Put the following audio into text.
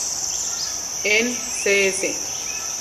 En Cs.